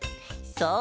そう！